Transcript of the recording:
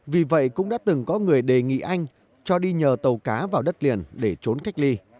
vì vậy cũng đã từng có người đề nghị anh cho đi nhờ tàu cá vào đất liền để trốn cách ly